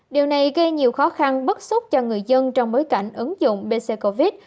điều này gây nhiều khó khăn bất xúc cho người dân trong bối cảnh ứng dụng bc covid